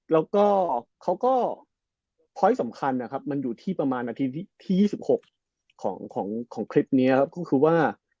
แล้วก็เขาก็พอยต์สำคัญนะครับมันอยู่ที่ประมาณนาทีที่๒๖ของคลิปนี้ครับก็คือว่า